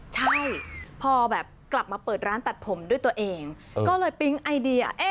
ใช่พอแบบกลับมาเปิดร้านตัดผมด้วยตัวเองก็เลยปิ๊งไอเดีย